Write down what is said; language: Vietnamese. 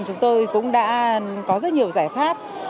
chúng tôi cũng đã có rất nhiều giải pháp